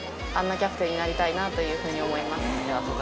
あんなキャプテンになりたいなというふうに思います。